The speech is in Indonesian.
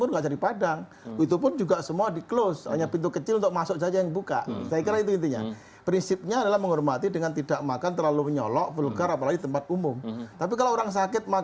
untuk musafir untuk orang sakit